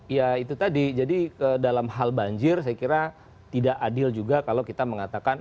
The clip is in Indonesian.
ya itu tadi jadi dalam hal banjir saya kira tidak adil juga kalau kita mengatakan